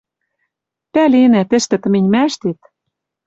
Пӓленӓ, тӹштӹ тыменьмӓштет